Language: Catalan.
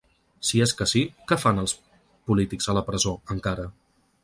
Si és que sí, què fan els polítics a la presó, encara?